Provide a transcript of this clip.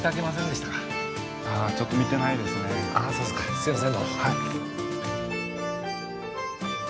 すみません。